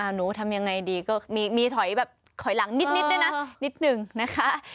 หนูทำยังไงดีก็มีถอยแบบถอยหลังนิดด้วยนะนิดนึงนะคะ